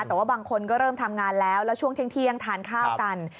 แต่ว่าบางคนก็เริ่มทำงานแล้วแล้วช่วงเที่ยงทานข้าวกัน